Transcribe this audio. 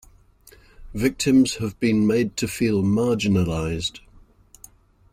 Victims have been made to feel marginalised.